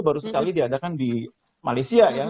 baru sekali diadakan di malaysia ya